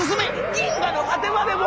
銀河の果てまでも！